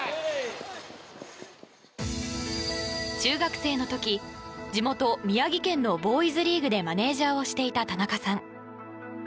中学生の時、地元・宮城県のボーイズリーグでマネジャーをしていた田中さん。